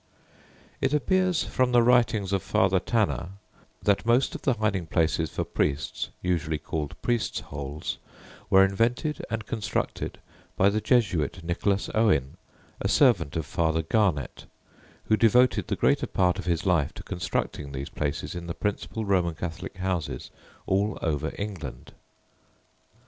It appears from the writings of Father Tanner that most of the hiding places for priests, usually called "priests' holes," were invented and constructed by the Jesuit Nicholas Owen, a servant of Father Garnet, who devoted the greater part of his life to constructing these places in the principal Roman Catholic houses all over England.